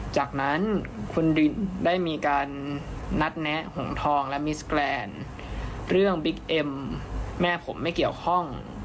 จากนั้นคุณได้มีการนัดแนะหงทองและมิสแกรนด์เรื่องบิ๊กเอ็มแม่ผมไม่เกี่ยวข้อง